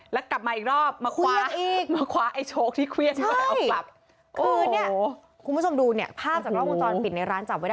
แล้วกลับมาอีกรอบมาคว้าไอ้โช๊คที่เควี้ยงด้วยออกกลับ